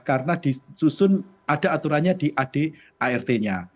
karena ada aturannya di adart nya